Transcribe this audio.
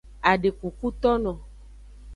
Adekukotono.